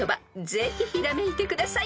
ぜひひらめいてください］